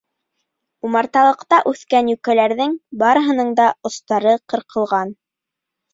Умарталыҡта үҫкән йүкәләрҙең барыһының да остары ҡырҡылған.